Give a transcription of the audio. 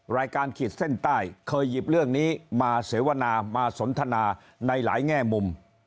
ขีดเส้นใต้เคยหยิบเรื่องนี้มาเสวนามาสนทนาในหลายแง่มุม